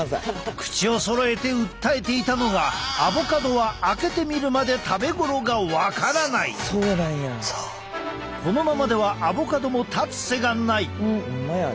口をそろえて訴えていたのがアボカドはこのままではアボカドも立つ瀬がない！